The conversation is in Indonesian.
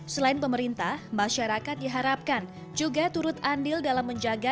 selain pemerintah masyarakat diharapkan juga turut andil dalam menjaga